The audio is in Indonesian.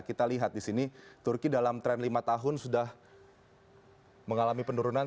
kita lihat di sini turki dalam tren lima tahun sudah mengalami penurunan